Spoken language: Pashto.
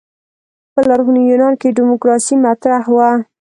په لرغوني یونان کې دیموکراسي مطرح وه.